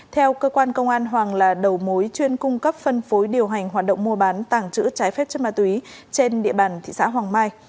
theo cơ quan công an hoàng là đầu mối chuyên cung cấp phân phối điều hành hoạt động mua bán tàng trữ trái phép chất ma túy trên địa bàn thị xã hoàng mai